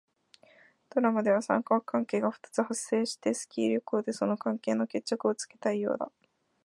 ドラマでは三角関係が二つ発生していて、スキー旅行でその関係の決着をつけたいようだった。